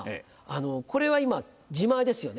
これは今自前ですよね？